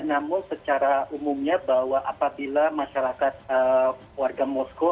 namun secara umumnya bahwa apabila masyarakat warga moskow